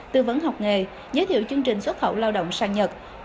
tư vấn học nghề giới thiệu chương trình xuất khẩu lao động sang nhật